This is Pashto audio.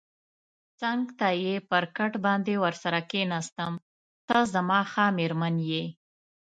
څنګ ته یې پر کټ باندې ورسره کېناستم، ته زما ښه مېرمن یې.